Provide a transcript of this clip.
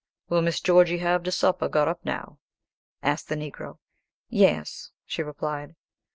"Will Miss Georgy have de supper got up now?" asked the Negro. "Yes," she replied.